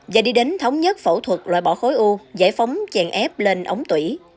và đi đến thống nhất phẫu thuật loại bỏ khối u giải phóng chèn ép lên ống tủy